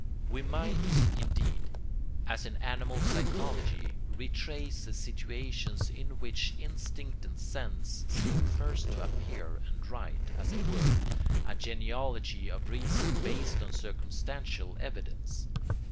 We might, indeed, as in animal psychology, retrace the situations in which instinct and sense seem first to appear and write, as it were, a genealogy of reason based on circumstantial evidence.